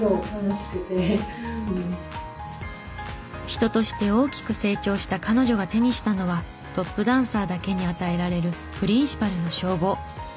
人として大きく成長した彼女が手にしたのはトップダンサーだけに与えられるプリンシパルの称号。